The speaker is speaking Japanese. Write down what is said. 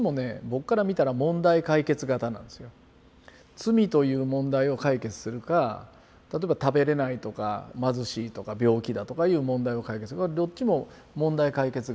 罪という問題を解決するか例えば食べれないとか貧しいとか病気だとかいう問題を解決どっちも問題解決型なんですね。